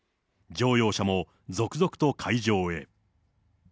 乗用車も続々と会場へ。